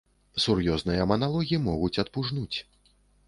Сур'ёзныя маналогі могуць адпужнуць.